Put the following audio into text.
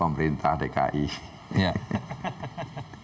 dan mas repri juga tidak menjadi jurubicara bpk